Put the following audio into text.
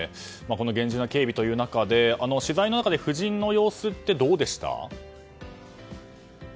厳重な警備という中で取材の中で夫人の様子はどうでしたか？